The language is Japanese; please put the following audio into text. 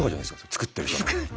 作ってる人の？